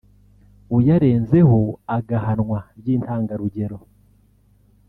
uyarenzeho agahanwa by’intangarugero